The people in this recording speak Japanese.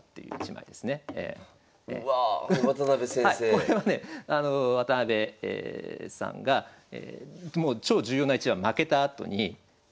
これはね渡辺さんがもう超重要な一番負けたあとにがっかりしてるんですね。